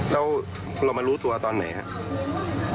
แล้วเรามารู้ตัวตอนไหนครับ